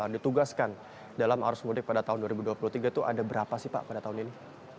ditugaskan dalam arus mudik pada tahun dua ribu dua puluh tiga itu ada berapa sih pak pada tahun ini